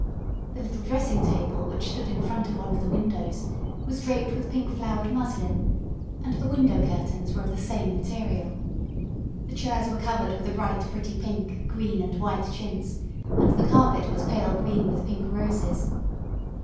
The little dressing table, which stood in front of one of the windows, was draped with pink flowered muslin, and the window curtains were of the same material. The chairs were covered with a bright, pretty pink, green, and white chintz, and the carpet was pale green with pink roses.